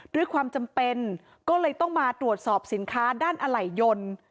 ด้วยความจำเป็นก็เลยต้องมาตรวจสอบสินค้าด้านอะไหล่ยนต์